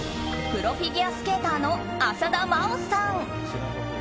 プロフィギュアスケーターの浅田真央さん。